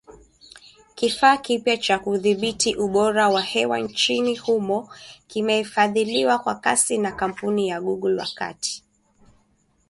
Kifaa kipya cha kudhibiti ubora wa hewa nchini humo kimefadhiliwa kwa kiasi na kampuni ya Google, wakati kikitumia sensa ya aina fulani.